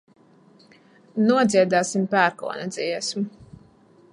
Nodziedāsim pērkona dziesmu.